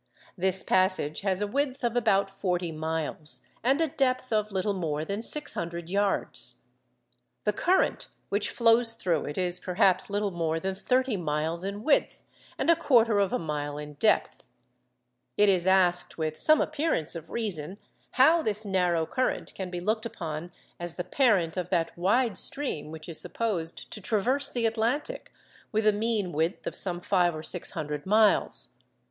This passage has a width of about forty miles, and a depth of little more than six hundred yards. The current which flows through it is perhaps little more than thirty miles in width, and a quarter of a mile in depth. It is asked with some appearance of reason, how this narrow current can be looked upon as the parent of that wide stream which is supposed to traverse the Atlantic with a mean width of some five or six hundred miles.